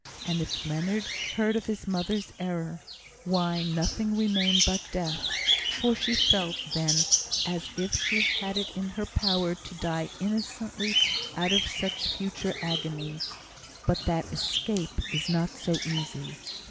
And if Leonard heard of his mother's error, why, nothing remained but death; for she felt, then, as if she had it in her power to die innocently out of such future agony; but that escape is not so easy.